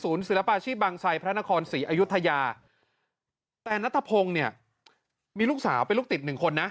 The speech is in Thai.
ศิลปาชีพบางไซพระนครศรีอายุทยาแต่นัทพงศ์เนี่ยมีลูกสาวเป็นลูกติดหนึ่งคนนะ